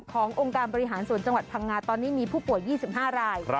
ขององค์การบริหารส่วนจังหวัดพังงาตอนนี้มีผู้ป่วย๒๕ราย